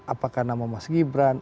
apakah nama mas gibran